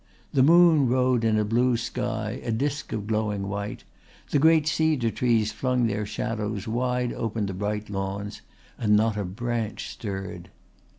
The moon rode in a blue sky, a disc of glowing white, the great cedar trees flung their shadows wide over the bright lawns and not a branch stirred.